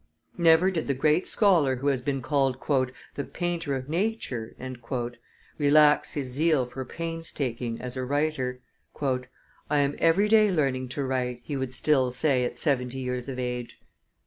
Never did the great scholar who has been called "the painter of nature" relax his zeal for painstaking as a writer. "I am every day learning to write," he would still say at seventy years of age.